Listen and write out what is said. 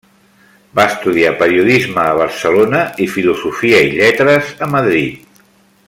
Va estudiar Periodisme a Barcelona i Filosofia i Lletres a Madrid.